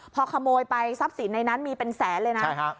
พอขโมยไปทรัพย์สินในนั้นมีเป็นแสนเลยนะ